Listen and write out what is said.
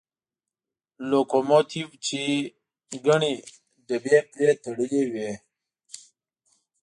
لوکوموتیو چې ګڼې ډبې پرې تړلې وې.